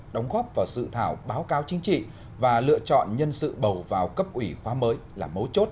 đóng góp vào dự thảo báo cáo chính trị và lựa chọn nhân sự bầu vào cấp ủy khoa mới là mấu chốt